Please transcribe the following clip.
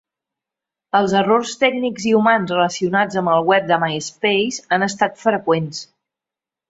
Els errors tècnics i humans relacionats amb el web de MySpace han estat freqüents.